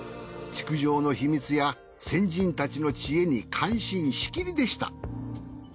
築城の秘密や先人たちの知恵に感心しきりでした。